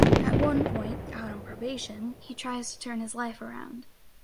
At one point, out on probation, he tries to turn his life around.